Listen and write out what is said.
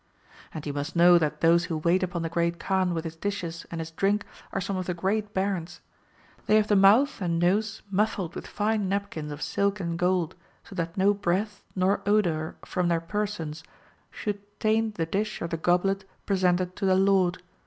^] And you must know that those who wait upon the Great Kaan with his dishes and his drink are some of the great Barons. They have the mouth and nose muffled with fine napkins of silk and gold, so that no breath nor odour from their persons should taint the dish or the goblet presented to the Lord.